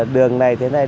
đường này thế này